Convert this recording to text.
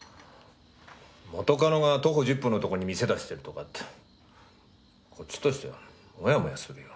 元カノが徒歩１０分のとこに店出してるとかってこっちとしてはもやもやするよ。